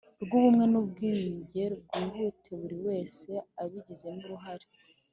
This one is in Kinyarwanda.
Rw ubumwe n ubwiyunge rwihute buri wese abigizemo uruhare